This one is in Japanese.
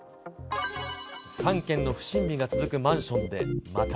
３件の不審火が続くマンションでまた。